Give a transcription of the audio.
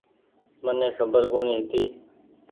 مني کبر ڪونيٚ هيتي ۔